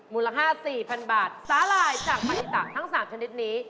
มูลค่า๔๐๐๐บาทสาหร่ายจากปฏิตะทั้ง๓ชนิดนี้